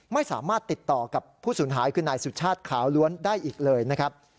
ไม่สามารถติดต่อกับผู้สูญหายคือนายสุชาติขาวล้วนได้อีกเลยนะครับ